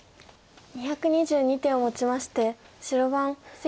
２２２手をもちまして白番関航太郎